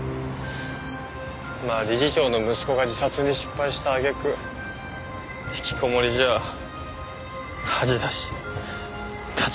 まあ理事長の息子が自殺に失敗した揚げ句引きこもりじゃ恥だし立場ないもんな。